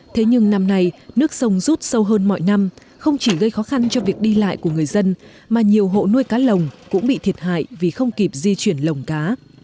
thế nhưng năm nay nước sông rút sâu hơn mọi năm không chỉ gây khó khăn cho việc đi lại của người dân mà nhiều hộ nuôi cá lồng cũng bị thiệt hại vì không kịp di chuyển lồng cá